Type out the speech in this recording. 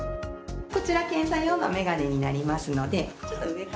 こちら検査用の眼鏡になりますので。